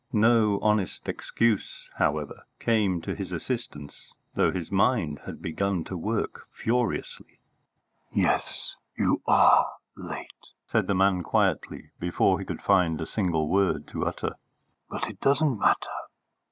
No honest excuse, however, came to his assistance, though his mind had begun to work furiously. "Yes, you are late," said the man quietly, before he could find a single word to utter. "But it doesn't matter.